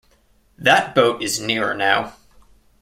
That boat is nearer now.